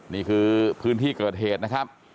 นี่คือพื้นที่เกิดเหตุนะครับ